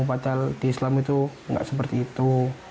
padahal di islam itu nggak seperti itu